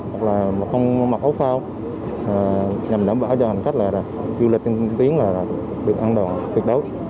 hoặc là không mặc áo phao nhằm đảm bảo cho hành khách là du lịch tiến là được an toàn tuyệt đối